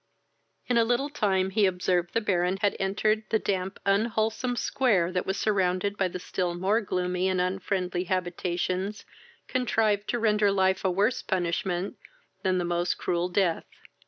In a little time he observed the Baron had entered the damp unwholesome square that was surrounded by the still more gloomy and unfriendly habituations contrived to render life a worse punishment than the most cruel death.